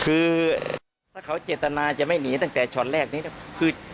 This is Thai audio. คือถ้าเขาเจตนาจะไม่หนีตั้งแต่ช็อตแรกนี้นะ